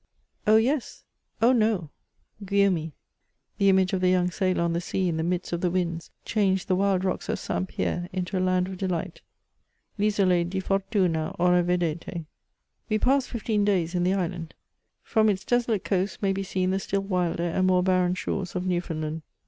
Oh ! yeSj Oh /. no, Gwllaumt/, the image of the young sailor on the sea in the midst of the winds, changed the wild rocks of St. Pierre into a land of delight : L'isole di Fortuna era vedete. We passed fifteen days in the island. From its desolate coasts may be seen the still wilder and more barren shores of Newfound land.